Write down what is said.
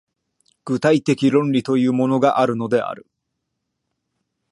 具体的論理というものがあるのである。